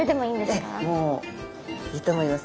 ええもういいと思います。